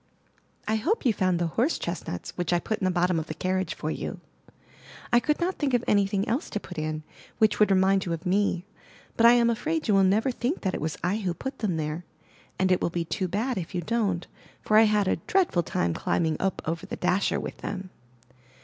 I hope you found the horse chestnuts which I put in the bottom of the carriage for you. I could not think of anything else to put in, which would remind you of me; but I am afraid you will never think that it was I who put them there, and it will be too bad if you don't, for I had a dreadful time climbing up over the dasher with them.